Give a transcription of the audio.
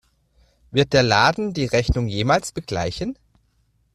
Wird der Laden die Rechnung jemals begleichen?